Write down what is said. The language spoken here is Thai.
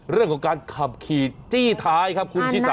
เรื่องของการขับขี่จี้ท้ายครับคุณชิสา